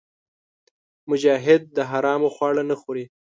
مجاهد د حرامو خواړه نه خوري.